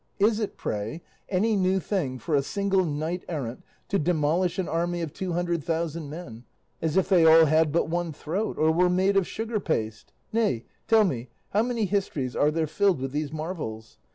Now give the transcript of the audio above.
Is it, pray, any new thing for a single knight errant to demolish an army of two hundred thousand men, as if they all had but one throat or were made of sugar paste? Nay, tell me, how many histories are there filled with these marvels?